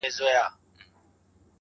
د ښایستونو خدایه سر ټیټول تاته نه وه,